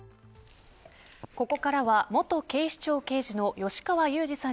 ここからは元警視庁刑事の吉川祐二さん